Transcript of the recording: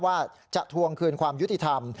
ว่าจะทวงคืนความยุติธรรม